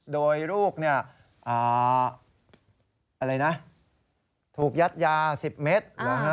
โดยลูกถูกยัดยา๑๐เมตร